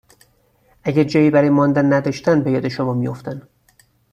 اگر جایی برای ماندن نداشتن به یاد شما می افتند،